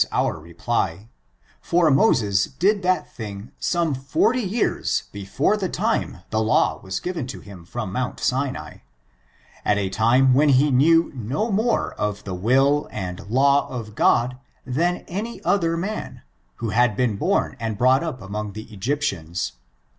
405 Mr reply, for Moees did that thing some forty yeats befofe the time the Uw was given to him from Mount Sinai, at a time when he knew no more of the will and law of God than any other man, who had been bom and brought np among the Egyptians.